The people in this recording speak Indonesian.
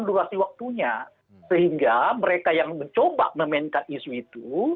durasi waktunya sehingga mereka yang mencoba memainkan isu itu